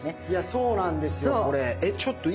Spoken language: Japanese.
いやそうなんですよこれ。